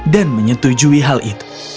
dan menyetujui hal itu